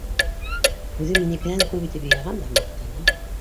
Үҙе минекенән күп итеп йыйған да маҡтана.